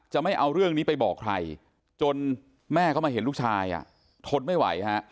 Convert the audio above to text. ไม่เอาเรื่องนี้ไปบอกใครจนแม่เขามาเห็นลูกชายทนไม่ไหวฮะ